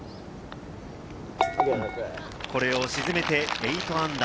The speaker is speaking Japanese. これを沈めて−８。